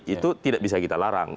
itu tidak bisa kita larang